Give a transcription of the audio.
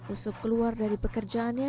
usup keluar dari pekerjaannya